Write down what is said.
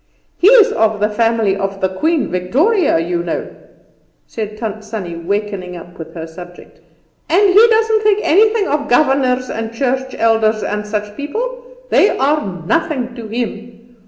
He's of the family of the Queen Victoria, you know," said Tant Sannie, wakening up with her subject; "and he doesn't think anything of governors and church elders and such people; they are nothing to him.